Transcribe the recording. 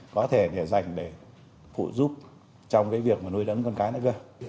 có thể để dành để phụ giúp trong cái việc nuôi đẫn con cái này cơ